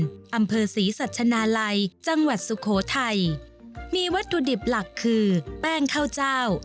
อำเภอศรีสัชนาลัยจังหวัดสุโขทัยมีวัตถุดิบหลักคือแป้งข้าวเจ้า